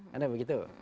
kan ya begitu